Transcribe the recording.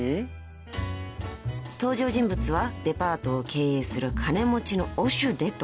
［登場人物はデパートを経営する金持ちのオシュデと］